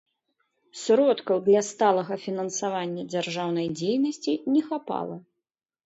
Сродкаў для сталага фінансавання дзяржаўнай дзейнасці не хапала.